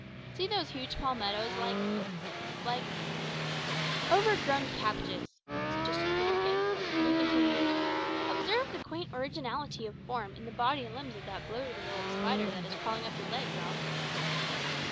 "See those huge palmettoes like like " "Overgrown cabbages," suggested Peterkin; and he continued, "Observe the quaint originality of form in the body and limbs of that bloated old spider that is crawling up your leg, Ralph!"